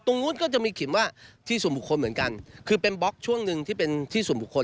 นู้นก็จะมีขิมว่าที่ส่วนบุคคลเหมือนกันคือเป็นบล็อกช่วงหนึ่งที่เป็นที่ส่วนบุคคล